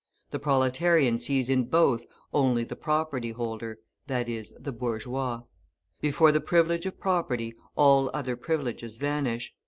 The proletarian sees in both only the property holder i.e., the bourgeois. Before the privilege of property all other privileges vanish.